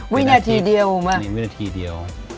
วินาทีเดียว